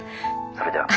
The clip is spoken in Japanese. それでは。